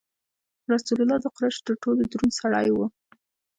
رسول الله د قریشو تر ټولو دروند سړی و.